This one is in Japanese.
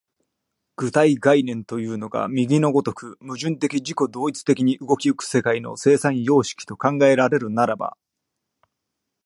具体概念というのが右の如く矛盾的自己同一的に動き行く世界の生産様式と考えられるならば、